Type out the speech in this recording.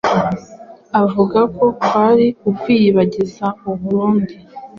avuga ko kwari ukwiyibagiza burundu